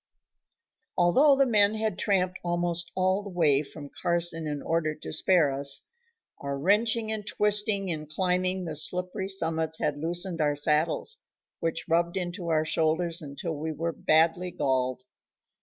Although the men had tramped almost all the way from Carson in order to spare us, our wrenching and twisting in climbing the slippery summits had loosened our saddles, which rubbed into our shoulders until we were badly galled.